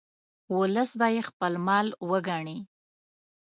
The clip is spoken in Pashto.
ولس به یې خپل مال وګڼي.